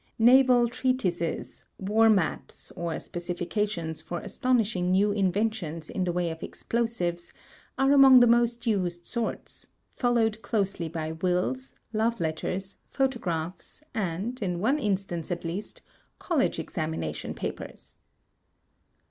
Naval treatises, war maps, or specifications for astonishing new inventions in the way of explosives, are among the most used sorts, followed closely by wills, love letters, photographs, and, in one instance at least, college examination papers.